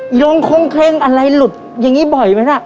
อิตรงคงเคล้งอะไรหลุบอย่างงี้บ่อยมั้ยนะ